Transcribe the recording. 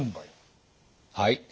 はい。